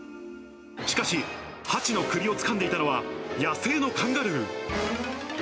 しかし、ハチの首をつかんでいたのは、野生のカンガルー。